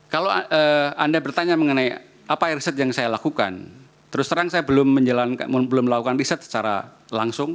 kalau anda bertanya mengenai apa riset yang saya lakukan terus terang saya belum melakukan riset secara langsung